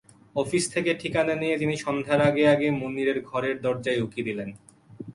Office থেকে ঠিকানা নিয়ে, তিনি সন্ধ্যার আগে আগে মুনিরের ঘরের দরজায় উঁকি দিলেন।